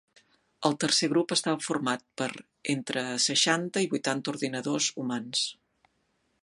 El tercer grup estava format per entre seixanta i vuitanta ordinadors humans.